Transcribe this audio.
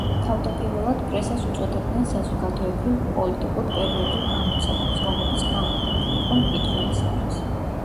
თავდაპირველად პრესას უწოდებდნენ საზოგადოებრივ-პოლიტიკურ პერიოდულ გამოცემებს, რომლებიც განკუთვნილი იყო მკითხველისათვის.